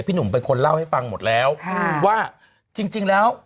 หนุ่มเป็นคนเล่าให้ฟังหมดแล้วว่าจริงแล้ว